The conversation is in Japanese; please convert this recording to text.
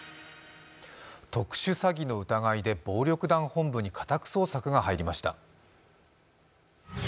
特殊詐欺の疑いで暴力団本部に家宅捜索が入りました。